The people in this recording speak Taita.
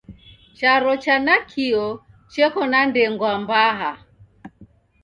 Charo cha nakio cheko na ndengwa mbaha